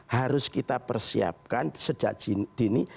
harus kita persiapkan sejak dini